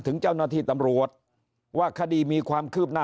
ถึงเจ้าหน้าที่ตำรวจว่าคดีมีความคืบหน้า